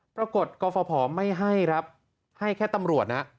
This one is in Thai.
ปรากฏกอฟพไม่ให้รับให้แค่ตำรวจน่ะ